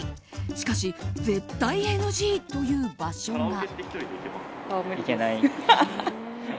しかし、絶対ＮＧという場所が。